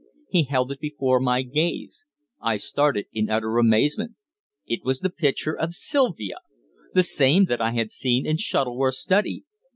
He held it before my gaze. I started in utter amazement. It was the picture of Sylvia! The same that I had seen in Shuttleworth's study.